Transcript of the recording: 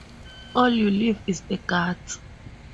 All you leave is the guts.